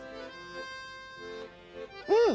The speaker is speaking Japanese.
うん。